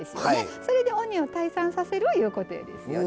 それで鬼を退散させるいうことですよね。